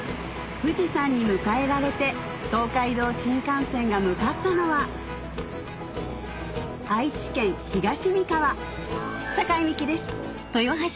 富士山に迎えられて東海道新幹線が向かったのは愛知県東三河酒井美紀です